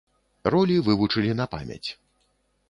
Ролі вывучылі на памяць.